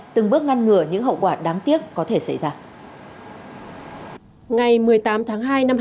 từng bước ngăn ngừa những hậu quả đáng tiếc có thể xảy ra